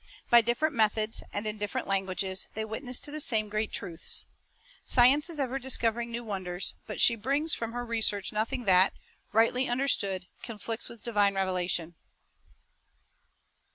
By different methods, and in different languages, they witness to the same great truths. Science is ever discovering new wonders ; but she brings from her research nothing that, rightly understood, conflicts with divine revelation.